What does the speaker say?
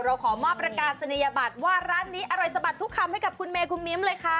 ขอมอบประกาศนียบัตรว่าร้านนี้อร่อยสะบัดทุกคำให้กับคุณเมคุณมิ้มเลยค่ะ